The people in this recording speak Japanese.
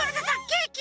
ケーキ！